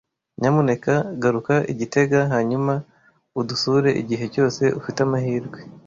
Nyamuneka garuka i gitega hanyuma udusure igihe cyose ufite amahirwe.